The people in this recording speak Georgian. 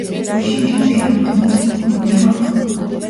მაშინ ჯამში რამდენი წრე გვქონია აქ.